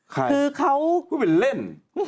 คือเขาแล้วเพิ่งเล่น